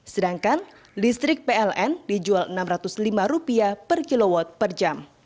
sedangkan listrik pln dijual rp enam ratus lima per kilowatt per jam